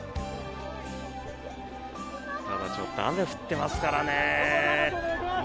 ただ、ちょっと雨降ってますからね。